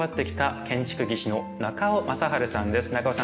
中尾さん